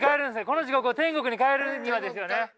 この地獄を天国に変えるにはですよね？